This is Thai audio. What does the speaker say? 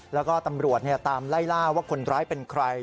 แล้วก็ตำรวจตามไล่ล่าว่าคนร้ายเป็นใคร